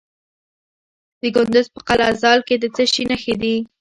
د کندز په قلعه ذال کې د څه شي نښې دي؟